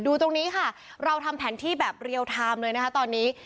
ตรงนี้ค่ะเราทำแผนที่แบบเรียลไทม์เลยนะคะตอนนี้